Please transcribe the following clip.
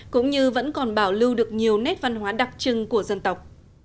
cũng như vẫn còn bảo lưu được nhiều nét văn hóa đặc trưng của dân tộc